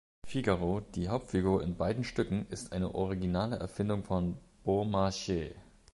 Figaro, die Hauptfigur in beiden Stücken, ist eine originale Erfindung von Beaumarchais.